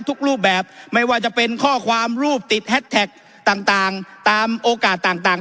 ทุกรูปแบบไม่ว่าจะเป็นข้อความรูปติดแฮดแท็กต่างตามโอกาสต่าง